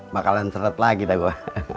bakalan seret lagi tau gue